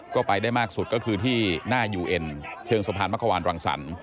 ก็ไปได้มากสุดก็คือที่หน้ายูเอ็นเชิงสะพานมะควานรังสรรค